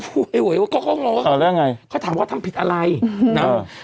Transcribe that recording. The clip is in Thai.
โพยหวยหวยก็ก็งงเออแล้วไงเขาถามว่าเขาทำผิดอะไรเออ